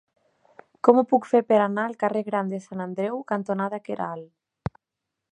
Com ho puc fer per anar al carrer Gran de Sant Andreu cantonada Queralt?